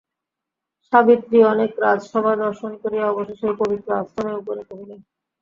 সাবিত্রী অনেক রাজসভা দর্শন করিয়া অবশেষে এই পবিত্র আশ্রমে উপনীত হইলেন।